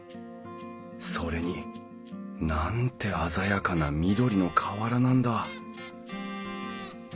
それになんて鮮やかな緑の瓦なんだ！